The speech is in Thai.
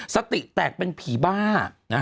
สติแตกเป็นผีบ้า